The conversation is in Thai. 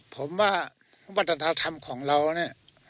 ผมว่าวัฒนธรรมของเรา